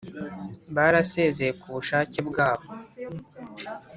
Barasezeye Ku Bushake Bwabo